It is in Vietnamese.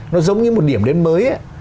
nó giống như một điểm đến mới